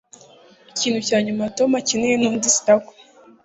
Ikintu cya nyuma Tom akeneye ni undi stalker